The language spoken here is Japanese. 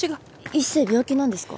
一星病気なんですか？